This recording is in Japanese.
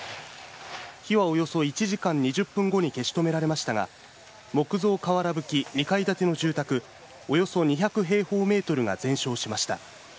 火はおよそ１時間２０分後に消し止められましたが、木造瓦ぶき２階建ての住宅およそ２００平方メートルが全焼しました。